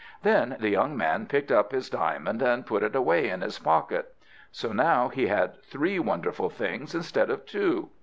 Then the young man picked up his diamond and put it away in his pocket. So now he had three wonderful things instead of two.